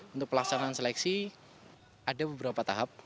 untuk pelaksanaan seleksi ada beberapa tahap